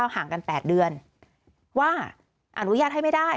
ห่างกัน๘เดือนว่าอนุญาตให้ไม่ได้